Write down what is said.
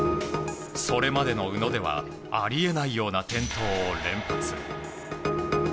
それまでの宇野ではあり得ないような転倒を連発。